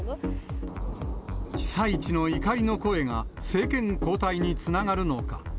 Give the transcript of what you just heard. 被災地の怒りの声が政権交代につながるのか。